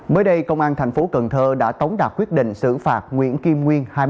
mới đây công an thành phố cần thơ đã tống đạt quyết định xử phạt nguyễn kim nguyên